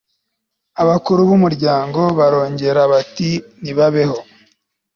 abakuru b'umuryango barongera bati nibabeho